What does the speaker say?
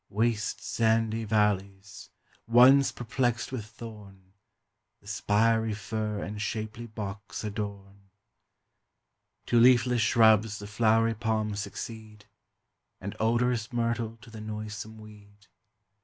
Waste sandy valleys, once perplexed with thorn, The spiry fir and shapely box adorn: To leafless shrubs the flowery palms succeed, And odorous myrtle to the noisome weed.